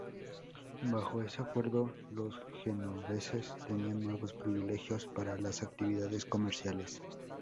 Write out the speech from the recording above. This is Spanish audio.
Bajo ese acuerdo, los genoveses tenían nuevos privilegios para las actividades comerciales.